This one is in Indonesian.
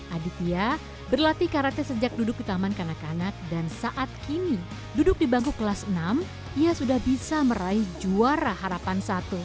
aditya berlatih karate sejak duduk di taman kanak kanak dan saat kini duduk di bangku kelas enam ia sudah bisa meraih juara harapan satu